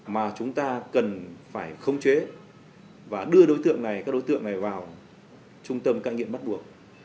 mà chúng ta cần phải không chế và đưa đối tượng này vào trung tâm cải nghiệm bắt buộc